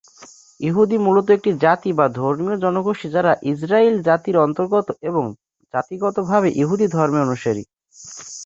ইহুদি মূলত একটি জাতি বা ধর্মীয় জনগোষ্ঠী যারা ইস্রায়েল জাতির অন্তর্গত এবং জাতিগতভাবে ইহুদি ধর্মের অনুসারী।